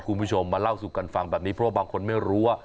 คุณผู้ชมมาเล่าสู่กันฟังแบบนี้เพราะว่าบางคนไม่รู้ว่า